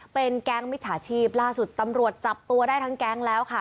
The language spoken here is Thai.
เป็นแก๊งมิจฉาชีพล่าสุดตำรวจจับตัวได้ทั้งแก๊งแล้วค่ะ